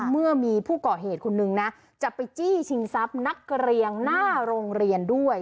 เมื่อมีผู้ก่อเหตุคนนึงนะจะไปจี้ชิงทรัพย์นักเรียนหน้าโรงเรียนด้วย